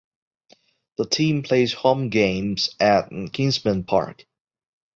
The team plays home games at Kinsmen Park.